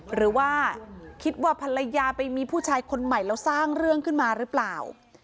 หรือว่าคิดว่าภรรยาไปมีผู้ชายคนใหม่แล้วสร้างเรื่องขึ้นมาหรือเปล่า